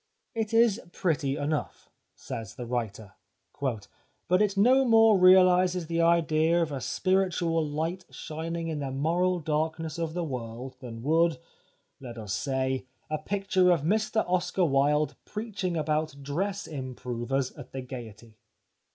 " It is pretty enough/' says the writer, " but it no more realises the idea of a spiritual light shining in the moral darkness of the world than would, let us say, a picture of Mr Oscar Wilde preaching about dress improvers at the Gaiety."